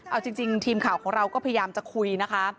เอาจริงทีมข่าวของเราก็พยายามจะคุยนะคะ